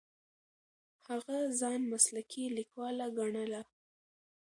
هغه ځان مسلکي لیکواله ګڼله.